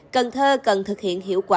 cần thơ cần thực hiện hiệu quả